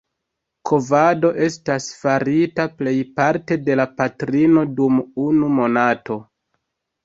Kovado estas farita plejparte de la patrino dum unu monato.